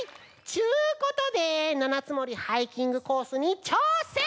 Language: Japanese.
ちゅうことで七ツ森ハイキングコースにちょうせん！